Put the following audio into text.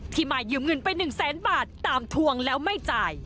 มายืมเงินไป๑แสนบาทตามทวงแล้วไม่จ่าย